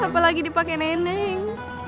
apalagi dipake neneng